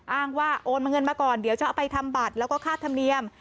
อ้างว่าโอนมาเงินมาก่อนเดี๋ยวจะเอาไปทำบัตรแล้วก็ค่าธรรมเนียม